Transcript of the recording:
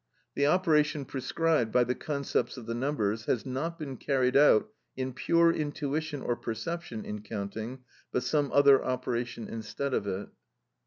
The operation prescribed by the concepts of the numbers has not been carried out in pure intuition or perception, in counting, but some other operation instead of it.